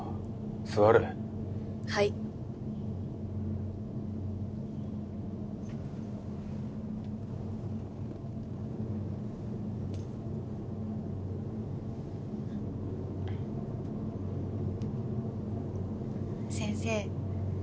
座れはい先生